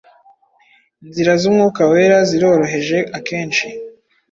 Inzira z’Umwuka Wera ziroroheje akenshi